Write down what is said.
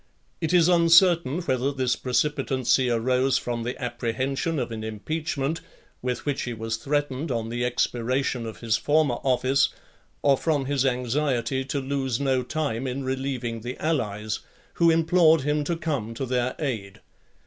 It is uncertain whether this precipitancy arose from the apprehension of an impeachment, with which he was threatened on the expiration of his former office, or from his anxiety to lose no time in relieving the allies, who implored him to come to their aid.